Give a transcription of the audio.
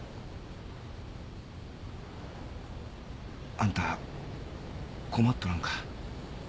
あんた困っとらんか？